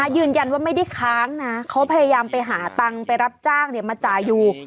ยืนยันว่าไม่ได้ค้างนะเขาพยายามไปหาตังค์ไปรับจ้างมาจ่ายอยู่